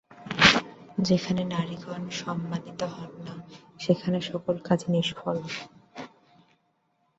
যেখানে নারীগণ সম্মানিতা হন না, সেখানে সকল কাজই নিষ্ফল।